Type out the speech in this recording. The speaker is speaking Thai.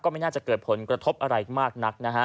ไม่น่าจะเกิดผลกระทบอะไรมากนักนะฮะ